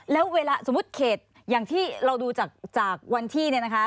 แล้วเวลาสมมุติเขตอย่างที่เราดูจากวันที่เนี่ยนะคะ